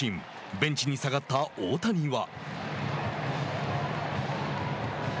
ベンチに下がった大谷は。